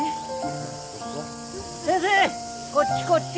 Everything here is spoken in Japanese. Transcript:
先生こっちこっち。